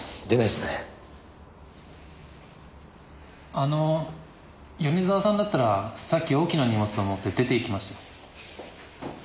あの米沢さんだったらさっき大きな荷物を持って出ていきましたよ。